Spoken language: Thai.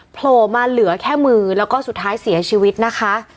โผล่มาเหลือแค่มือแล้วก็สุดท้ายเสียชีวิตนะคะ